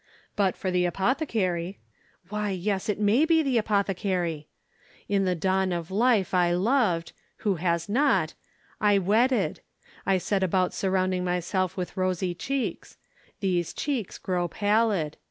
But, for the apothecary—why, yes—it may be the apothecary! In the dawn of life I loved—who has not?—I wedded. I set about surrounding myself with rosy cheeks. These cheeks grow pallid.